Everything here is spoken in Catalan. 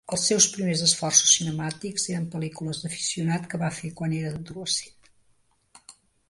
Els seus primers esforços cinemàtics eren pel·lícules d'aficionat que va fer quan era adolescent.